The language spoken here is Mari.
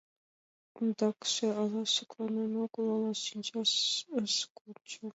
Ондакше ала шекланен огыл, ала шинчаш ыш кончо.